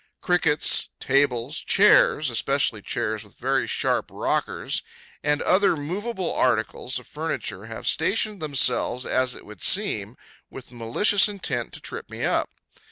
Crickets, tables, chairs (especially chairs with very sharp rockers), and other movable articles of furniture, have stationed themselves, as it would seem, with malicious intent to trip me up.